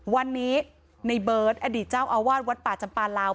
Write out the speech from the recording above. วันนี้ในเบิร์ตอดีตเจ้าอาวาสวัดป่าจำปลาลาว